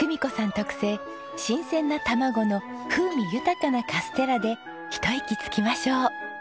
特製新鮮な卵の風味豊かなカステラでひと息つきましょう。